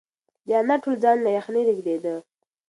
د انا ټول ځان له یخنۍ رېږدېده.